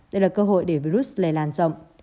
đây là cơ hội để virus lây lan rộng